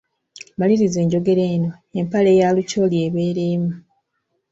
Maliriza enjogera eno; empale ya lukyolo ebeera emu.